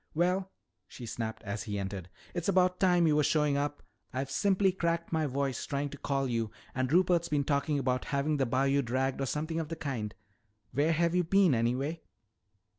"Well," she snapped as he entered, "it's about time you were showing up. I've simply cracked my voice trying to call you, and Rupert's been talking about having the bayou dragged or something of the kind. Where have you been, anyway?"